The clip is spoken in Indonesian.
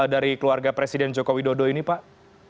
dari keluarga presiden jokowi dodo ini pak